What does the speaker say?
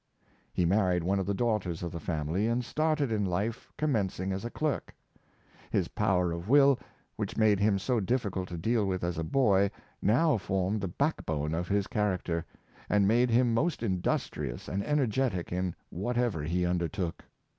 " He married one of the daughters of the family and started in life, commenc ing as a clerk. His power of will, which made him so difficult to deal with as a boy, now formed the back bone of his character, and made him most industrious and energetic in whatever he undertook.